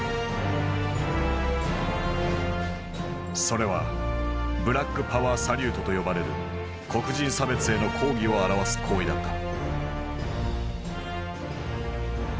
それは「ブラックパワー・サリュート」と呼ばれる黒人差別への抗議を表す行為だった。